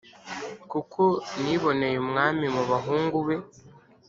kuko niboneye umwami mu bahungu be.